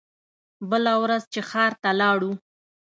بله ورځ چې ښار ته لاړو.